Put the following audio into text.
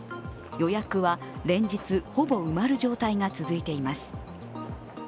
予約は連日ほぼ埋まる状態が続いています。